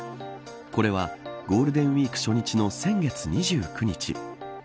これは、ゴールデンウイーク初日の先月２９日。